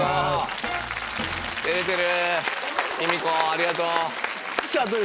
ありがとう！